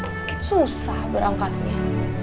makin susah berangkatnya